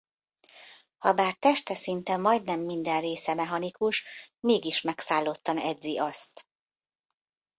Habár teste szinte majdnem minden része mechanikus mégis megszállottan edzi azt.